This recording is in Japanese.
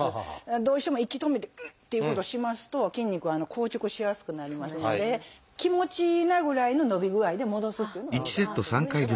どうしても息止めてウッ！っていうことをしますと筋肉は硬直しやすくなりますので気持ちいいなぐらいの伸び具合で戻すっていうのがいいかなと思います。